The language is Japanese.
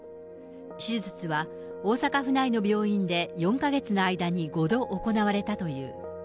手術は大阪府内の病院で、４か月の間に５度行われたという。